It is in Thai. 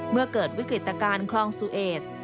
เมื่อเกิดวิกฤตการณ์คลองซูเอส